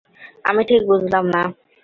আমি ঠিক বুঝলাম না।